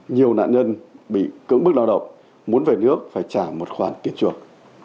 nhiều nạn nhân bị cưỡng bức lao động muốn về nước phải trả một khoản tiền chuộc